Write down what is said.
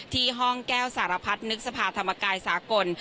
ที่ห้องแก้วสารพัฒนึกสภาธรรมกายสากล